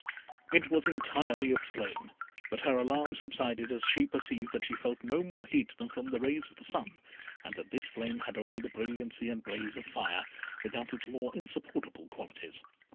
It was entirely of flame; but her alarm subsided as she perceived that she felt no more heat than from the rays of the sun, and that this flame had only the brilliancy and blaze of fire, without its more insupportable qualities.